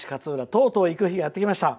とうとう行く日がやってきました。